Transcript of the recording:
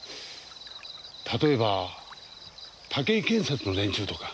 例えば岳井建設の連中とか。